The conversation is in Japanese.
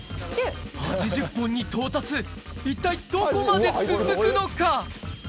８０本に到達一体どこまで続くのか？